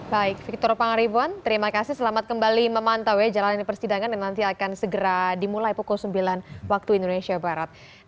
baik victor pangaribuan terima kasih selamat kembali memantau ya jalanan persidangan yang nanti akan segera dimulai pukul sembilan waktu indonesia barat